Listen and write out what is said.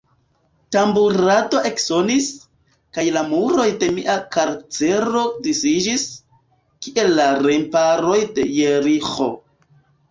Tamburado eksonis, kaj la muroj de mia karcero disiĝis, kiel la remparoj de Jeriĥo.